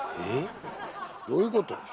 どういうこと？